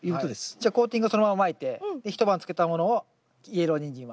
じゃあコーティングはそのまままいて一晩つけたものをイエローニンジンは。